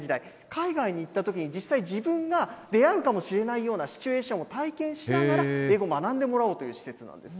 海外に行ったときに実際、自分が出会うかもしれないようなシチュエーションを体験しながら、英語、学んでもらおうという施設なんです。